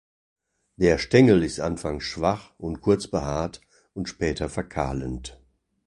Der Stängel ist anfangs schwach und kurz behaart und später verkahlend.